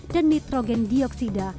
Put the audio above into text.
dan nitrogen dioksida